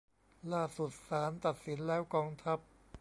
ล่าสุดศาลตัดสินแล้วกองทัพ